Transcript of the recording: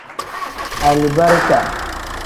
Alibarika.